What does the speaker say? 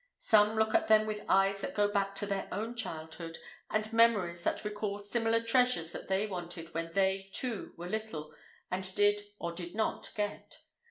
Some look at them with eyes that go back to their own childhood, and memories that recall similar treasures that they wanted when they, too, were little, and did—or did not—get.